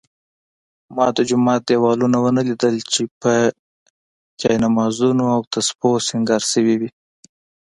ما د جومات دېوالونه ونه لیدل چې په جالمازونو او تسپو سینګار شوي وي.